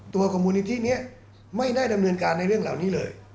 กับมูลนิธินี้ไม่ได้ดำเนินการในเรื่องเหล่านี้เลย